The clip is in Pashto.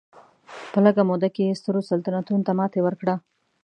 په لږه موده کې یې سترو سلطنتونو ته ماتې ورکړه.